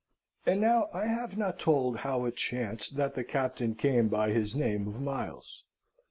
And now I have not told how it chanced that the Captain came by his name of Miles.